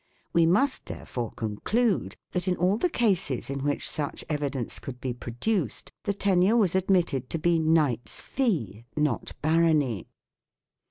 We must, therefore, conclude that in all the cases in which such evidence could be produced, the tenure was admitted to be "knight's fee," not "barony".